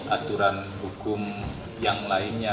aturan hukum yang lainnya